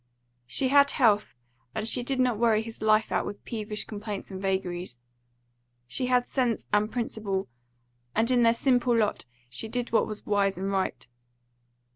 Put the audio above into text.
She had health, and she did not worry his life out with peevish complaints and vagaries; she had sense and principle, and in their simple lot she did what was wise and right.